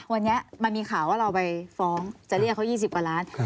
วันนี้มันมีข่าวว่าเราไปฟ้องจะเรียกเขา๒๐กว่าล้าน